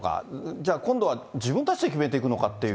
じゃあ、今度は自分たちで決めていくのかっていう。